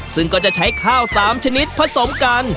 ซึ่งก็จะใช้ข้าว๓ชนิดผสมกัน